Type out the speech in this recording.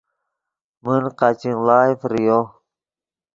من قاچین ڑائے فریو